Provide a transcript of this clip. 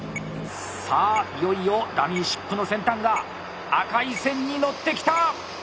さあいよいよダミーシップの先端が赤い線に乗ってきた！